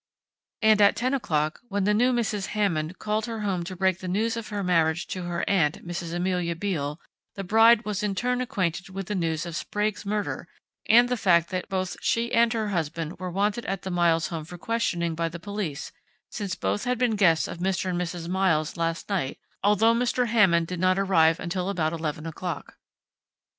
"And at 10 o'clock, when the new Mrs. Hammond called her home to break the news of her marriage to her aunt, Mrs. Amelia Beale, the bride was in turn acquainted with the news of Sprague's murder and the fact that both she and her husband were wanted at the Miles home for questioning by the police, since both had been guests of Mr. and Mrs. Miles last night, although Mr. Hammond did not arrive until about 11 o'clock."